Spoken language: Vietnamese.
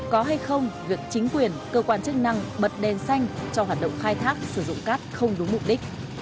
có hay không việc chính quyền cơ quan chức năng bật đèn xanh cho hoạt động khai thác sử dụng cát không đúng mục đích